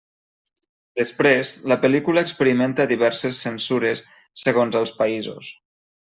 Després, la pel·lícula experimenta diverses censures segons els països.